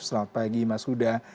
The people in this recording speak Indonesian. selamat pagi mas huda